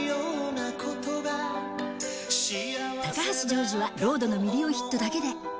高橋ジョージはロードのミリオンヒットだけで。